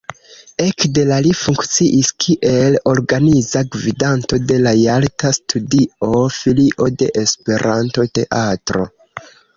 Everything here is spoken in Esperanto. Ekde la li funkciis kiel organiza gvidanto de la jalta studio–filio de Esperanto-teatro.